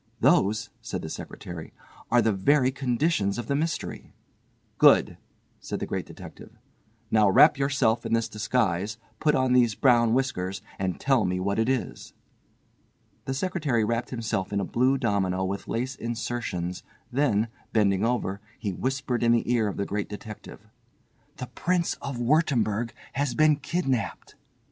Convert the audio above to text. "Those," said the secretary, "are the very conditions of the mystery." "Good," said the Great Detective, "now wrap yourself in this disguise, put on these brown whiskers and tell me what it is." The secretary wrapped himself in a blue domino with lace insertions, then, bending over, he whispered in the ear of the Great Detective: "The Prince of Wurttemberg has been kidnapped."